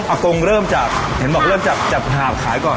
กงเริ่มจากเห็นบอกเริ่มจากจัดหาบขายก่อน